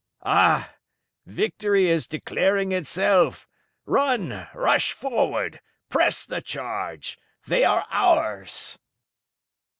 Ah! victory is declaring itself! run rush forward press the charge! they are ours!"